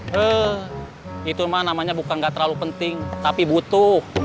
heeeh itu ma namanya bukan nggak terlalu penting tapi butuh